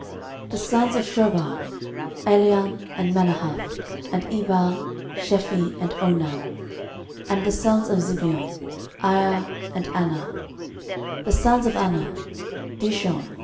13:001:040 The sons of Shobal; Alian, and Manahath, and Ebal, Shephi, and Onam. and the sons of Zibeon; Aiah, and Anah. 13:001:041 The sons of Anah; Dishon.